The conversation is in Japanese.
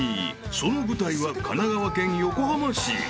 その舞台は神奈川県横浜市］